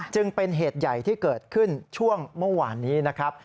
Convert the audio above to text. จึงเป็นเหตุใหญ่ที่เกิดขึ้นช่วงเมื่อวานนี้นะครับ